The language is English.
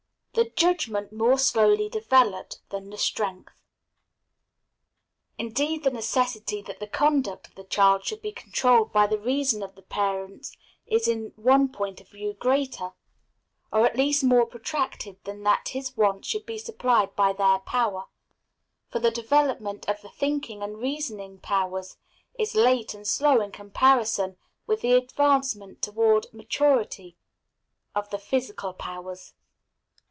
The Judgment more slowly developed than the Strength. Indeed, the necessity that the conduct of the child should be controlled by the reason of the parents is in one point of view greater, or at least more protracted, than that his wants should be supplied by their power; for the development of the thinking and reasoning powers is late and slow in comparison with the advancement toward maturity of the physical powers.